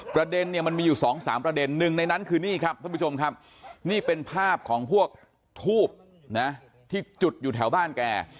ประเด็นเนี่ยมันมีอยู่สองสามประเด็นหนึ่งในนั้นคือนี่ครับท่านผู้ชมครับนี่เป็นภาพของพวกทูบนะที่จุดอยู่แถวบ้านแก